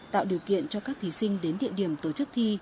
tạo điều kiện cho các thí sinh đến địa điểm tổ chức thi